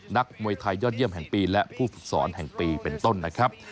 นักมวยไทยยอดเยี่ยมแห่งปีและผู้ฝึกสอนแห่งปีเป็นต้นนะครับ